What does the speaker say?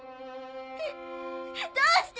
どうして？